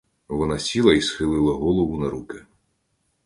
Вона сіла й схилила голову на руки.